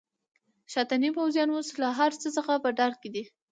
شاتني پوځیان اوس له هرڅه څخه په ډار کې دي.